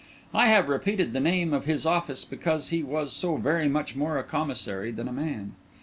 I have repeated the name of his office because he was so very much more a Commissary than a man.